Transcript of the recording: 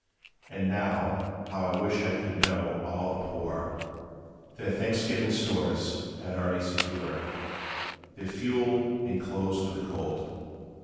And now how I wish I could know all the poor Their Thanksgiving stores had already secure, Their fuel, and clothes for the cold!"